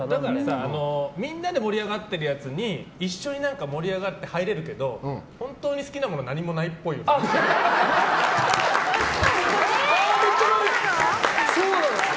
みんなで盛り上がってるやつに一緒に盛り上がって入れるけど本当に好きなもの何もないっぽいよね。